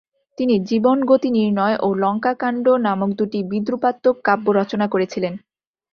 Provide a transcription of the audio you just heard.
তিনি "জীবনগতি নির্ণয়" ও "লঙ্কাকান্ড" নামক দুটি বিদ্রুপাত্মক কাব্য রচনা করেছিলেন।